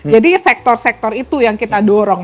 sektor sektor itu yang kita dorong